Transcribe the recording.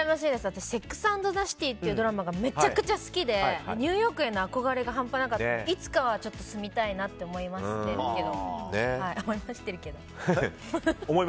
私「セックス・アンド・ザ・シティ」っていうドラマがめちゃくちゃ好きでニューヨークへの憧れが半端なくていつかは住みたいなって思いましてる？